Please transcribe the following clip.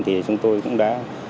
thì chúng tôi cũng đã